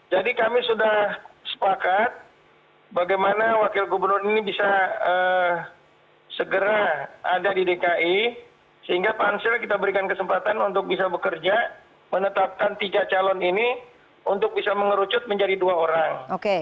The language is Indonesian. jadi kami sudah sepakat bagaimana wakil gubernur ini bisa segera ada di dki sehingga pansel kita berikan kesempatan untuk bisa bekerja menetapkan tiga calon ini untuk bisa mengerucut menjadi dua orang